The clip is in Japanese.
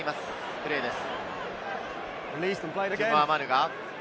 プレーです。